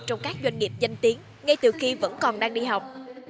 trong các doanh nghiệp danh tiếng ngay từ khi vẫn còn đang đi học